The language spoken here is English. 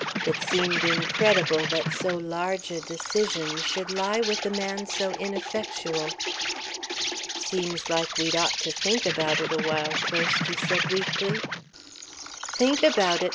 It seemed incredible that so large a decision should lie with a man so ineffectual. "'Seems like we'd ought to think about it a while first," he said weakly. "Think about it!"